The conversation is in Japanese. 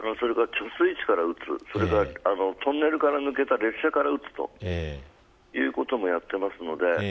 貯水池から撃つ、トンネルから抜けた列車から撃つということなどもやっています。